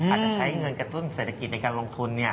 อาจจะใช้เงินกระตุ้นเศรษฐกิจในการลงทุน